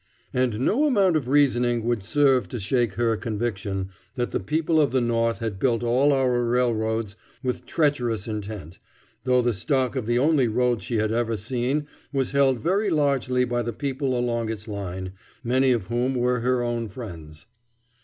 And no amount of reasoning would serve to shake her conviction that the people of the North had built all our railroads with treacherous intent, though the stock of the only road she had ever seen was held very largely by the people along its line, many of whom were her own friends.